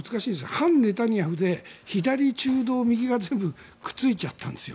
反ネタニヤフで左、中道、右が全部くっついちゃったんですよ。